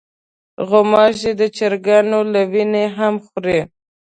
غوماشې د چرګانو له وینې هم خوري.